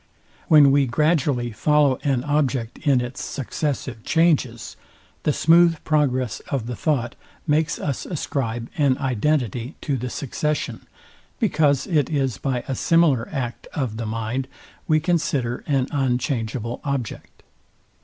When we gradually follow an object in its successive changes, the smooth progress of the thought makes us ascribe an identity to the succession; because it is by a similar act of the mind we consider an unchangeable object.